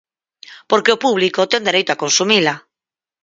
"Porque o público ten dereito a consumila".